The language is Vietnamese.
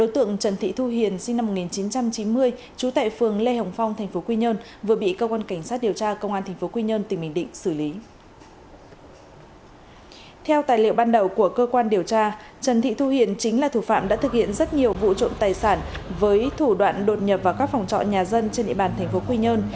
theo tài liệu ban đầu của cơ quan điều tra trần thị thu hiền chính là thủ phạm đã thực hiện rất nhiều vụ trộm tài sản với thủ đoạn đột nhập vào các phòng trọ nhà dân trên địa bàn thành phố quy nhơn